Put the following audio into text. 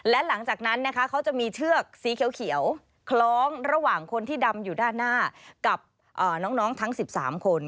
และหลังจากนั้นนะคะเขาจะมีเชือกสีเขียวคล้องระหว่างคนที่ดำอยู่ด้านหน้ากับน้องทั้ง๑๓คน